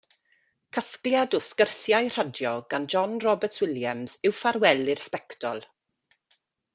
Casgliad o sgyrsiau radio gan John Roberts Williams yw Ffarwel i'r Sbectol.